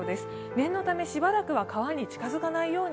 念のためしばらくは川に近づかないように